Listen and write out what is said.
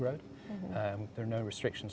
tidak ada restriksi